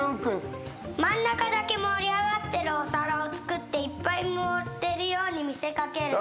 真ん中だけ盛り上がってるお皿を作っていっぱい盛ってるように見せ掛ける。